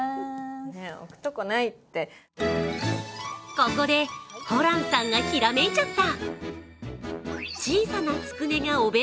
ここで、ホランさんがひらめいちゃった！